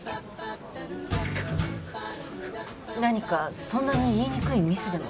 こかっ何かそんなに言いにくいミスでも？